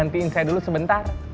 gantiin saya dulu sebentar